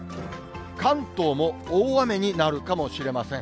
関東も大雨になるかもしれません。